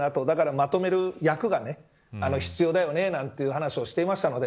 だから、まとめる役が必要だよねという話をしていました。